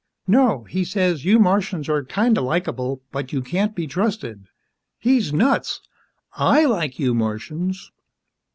"No. He says, you Martians are kinda likeable, but you can't be trusted. He's nuts! I like you Martians!"